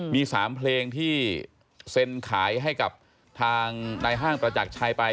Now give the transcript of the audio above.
มี๓เพลงที่เซ็นขายให้กับทางนายห้างประจักรชัยไป